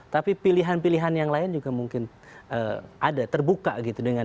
tapi pilihan pilihan yang lain juga mungkin ada terbuka gitu dengan